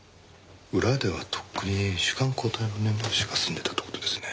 裏ではとっくに主幹交代の根回しが済んでたって事ですね。